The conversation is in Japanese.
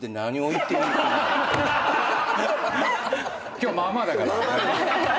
今日まあまあだから。